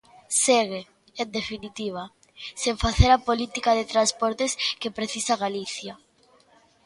Segue, en definitiva, sen facer a política de transportes que precisa Galicia.